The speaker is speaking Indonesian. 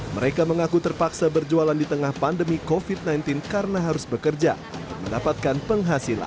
mereka mengaku terpaksa berjualan di tengah pandemi covid sembilan belas karena harus bekerja mendapatkan penghasilan